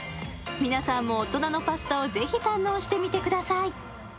皆さんも大人のパスタをぜひ堪能してみてください。